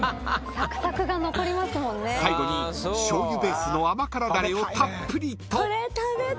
［最後にしょうゆベースの甘辛ダレをたっぷりと］